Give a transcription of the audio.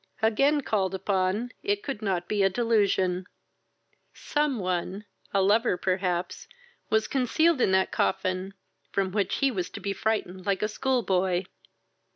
Again called upon, it could not be delusion. Some one, a lover perhaps, was concealed in that coffin, from which he was to be frightened like a school boy.